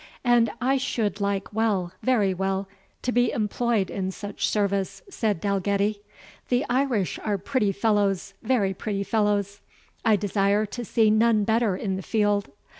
"And I should like well very well, to be employed in such service," said Dalgetty; "the Irish are pretty fellows very pretty fellows I desire to see none better in the field.